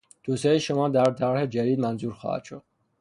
توصیههای شما در طرح جدید منظور خواهد است.